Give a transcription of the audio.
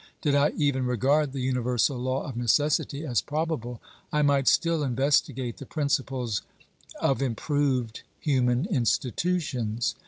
Did I even regard the universal law of necessity as probable, I might still investigate the principles of improved human institutions.